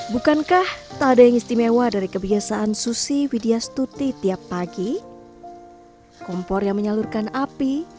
bukankah tak ada yang istimewa dari kebiasaan susi widya stuti tiap pagi kompor yang menyalurkan api